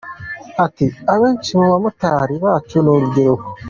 Ati “Abenshi mu bamotari bacu ni urubyiruko.